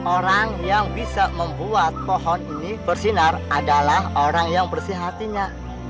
orang yang bisa membuat pohon ini bersinar adalah orang yang bersih hatinya